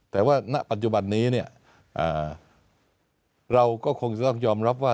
แต่ว่าณปัจจุบันนี้เนี่ยเราก็คงจะต้องยอมรับว่า